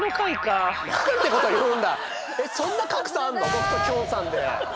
僕ときょんさんで。